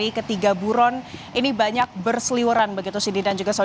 itu membuat sketsa wajah